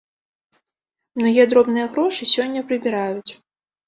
Многія дробныя грошы сёння прыбіраюць.